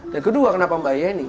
dan kedua kenapa mbak ye ini